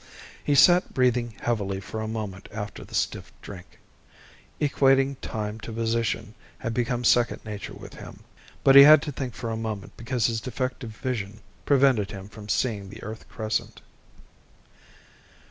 He sat breathing heavily for a moment after the stiff drink. Equating time to position had become second nature with him, but he had to think for a moment because his defective vision prevented him from seeing the Earth crescent.